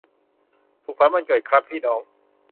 สุขสันต์วันเกิดครับพี่น้อง